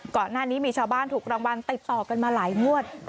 ก่อนหน้านี้มีชาวบ้านถูกรางวัลติดต่อกันมาหลายงวด